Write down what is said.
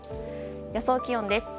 予想気温です。